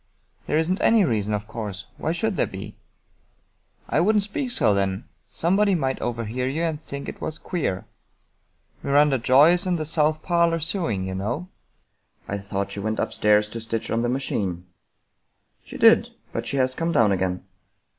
" There isn't any reason, of course. Why should there be?" " I wouldn't speak so, then. Somebody might overhear you and think it was queer. Miranda Joy is in the south parlor sewing, you know." " I thought she went upstairs to stitch on the machine." " She did, but she has come down again."